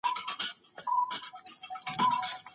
مثبت خلګ مو د ژوند ملګري کړئ.